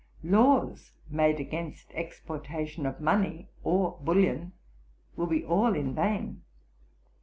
Laws made against exportation of money or bullion will be all in vain.